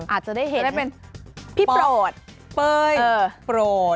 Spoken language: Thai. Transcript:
อาจจะได้เห็นพี่โปรดเพลยเออโปรด